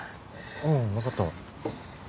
うんわかった。